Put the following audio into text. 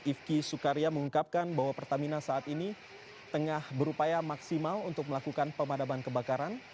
ifki sukaria mengungkapkan bahwa pertamina saat ini tengah berupaya maksimal untuk melakukan pemadaman kebakaran